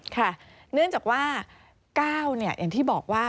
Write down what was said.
ค่ะเนื่องจากว่า๙อย่างที่บอกว่า